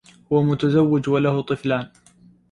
هو متزوج وله طفلان